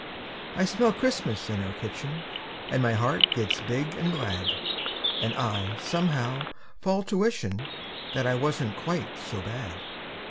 I smell Christmas in our kitchen, An' my heart gets big an' glad, An' I, somehow, fall to wishin', That I wasn't quite so bad.